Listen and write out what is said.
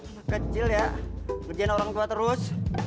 anak kecil ya ngerjain orang tua terus